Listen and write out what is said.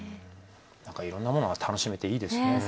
なんかいろんなものが楽しめていいですね。